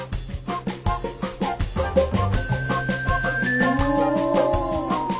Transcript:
お。